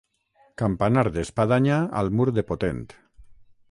Campanar d'espadanya al mur de potent.